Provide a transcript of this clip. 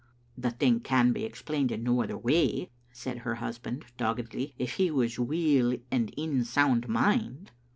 "The thing can be explained in no other way," said her husband, doggedly, " if he was weel and in sound mind."